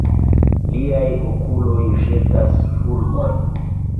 Liaj okuloj ĵetas fulmojn!